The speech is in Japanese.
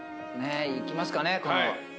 いきますかね。